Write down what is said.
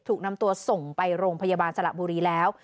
ถูกนำตัวส่งไปโรงพยาบาลสระบุรีแล้ว